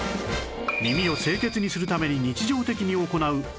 耳を清潔にするために日常的に行う耳掃除